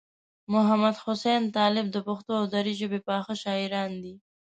محمدحسین طالب د پښتو او دري ژبې پاخه شاعران دي.